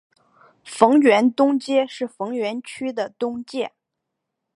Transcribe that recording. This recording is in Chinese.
逢源东街是逢源区的东界。